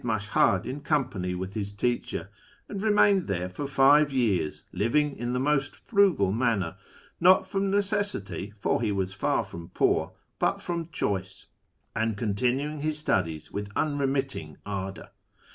132 A YEAR AMONGST THE PERSIANS ]Maslihad in company with his teacher, and remained there for iive years, living in the most frugal manner (not from necessity, i'or he M'as far from poor, but from choice), and continuing his studies ^vith unremitting ardour.